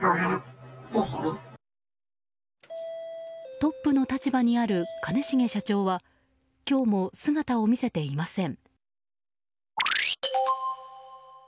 トップの立場にある兼重社長は今日も姿を見せていません。